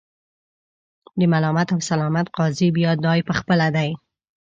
د ملامت او سلامت قاضي بیا دای په خپله دی.